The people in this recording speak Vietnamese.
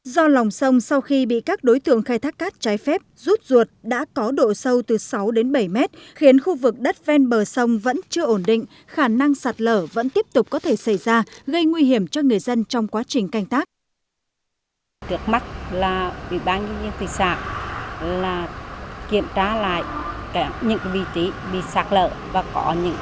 do lòng sông sau khi bị các đối tượng khai thác cát trái phép rút ruột đã có độ sâu từ sáu đến bảy mét khiến khu vực đất ven bờ sông vẫn chưa ổn định khả năng sạt lở vẫn tiếp tục có thể xảy ra gây nguy hiểm cho người dân trong quá trình canh tác